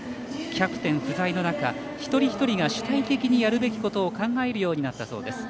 キャプテン不在の中一人一人が主体的にやることを考えるようになったそうです。